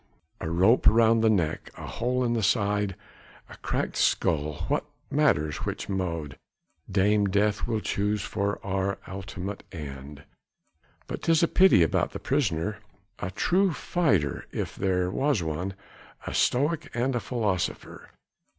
A rope round the neck, a hole in the side, a cracked skull! what matters which mode Dame Death will choose for our ultimate end. But 'tis a pity about the prisoner! A true fighter if there was one, a stoic and a philosopher.